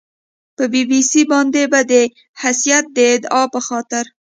په بي بي سي باندې به د حیثیت د اعادې په خاطر